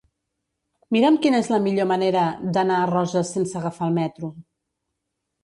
Mira'm quina és la millor manera d'anar a Roses sense agafar el metro.